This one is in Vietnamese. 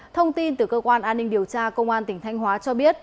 thông tin từ cơ quan an ninh điều tra công an tỉnh thanh hóa cho biết